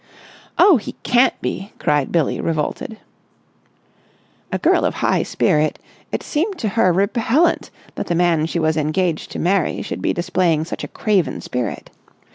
"Oh, he can't be!" cried Billie, revolted. A girl of high spirit, it seemed to her repellent that the man she was engaged to marry should be displaying such a craven spirit.